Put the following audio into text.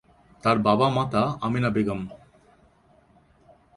তার বাবা মাতা আমেনা বেগম।